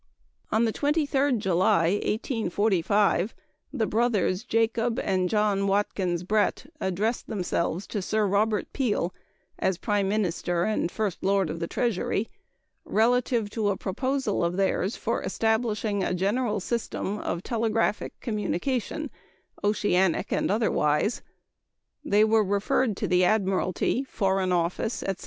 On the 23d July, 1845, the brothers Jacob and John Watkins Brett addressed themselves to Sir Robert Peel, as Prime Minister and First Lord of the Treasury, relative to a proposal of theirs for establishing a general system of telegraphic communication oceanic and otherwise. They were referred to the Admiralty, Foreign Office, etc.